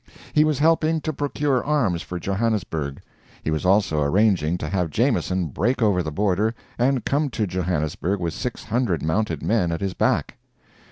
He was helping to procure arms for Johannesburg; he was also arranging to have Jameson break over the border and come to Johannesburg with 600 mounted men at his back.